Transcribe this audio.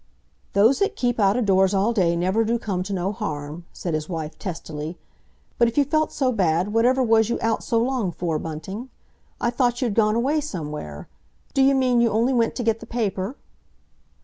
"Those that keep out o' doors all day never do come to no harm," said his wife testily. "But if you felt so bad, whatever was you out so long for, Bunting? I thought you'd gone away somewhere! D'you mean you only went to get the paper?"